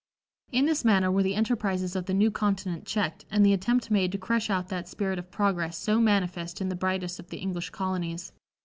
In this manner were the enterprises of the new continent checked and the attempt made to crush out that spirit of progress so manifest in the brightest of the English colonies.